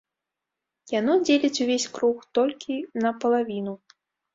Яно дзеліць увесь круг толькі напалавіну.